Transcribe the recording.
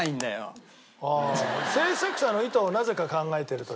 ああ制作者の意図をなぜか考えているという。